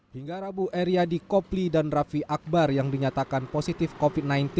hingga rabu eriadi kopli dan raffi akbar yang dinyatakan positif covid sembilan belas